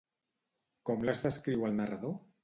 Com les descriu el narrador?